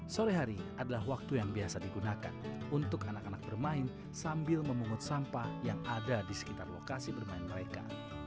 sore hari adalah waktu yang biasa digunakan untuk anak anak bermain sambil memungut sampah yang ada di sekitar lokasi bermain mereka